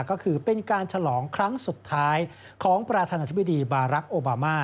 ก็คือเป็นการฉลองครั้งสุดท้ายของประธานาธิบดีบารักษ์โอบามา